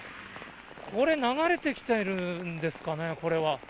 これ、流れてきてるんですかね、これは。